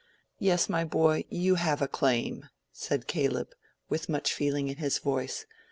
"Yes, my boy, you have a claim," said Caleb, with much feeling in his voice.